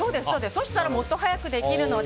そうしたらもっと早くできるので。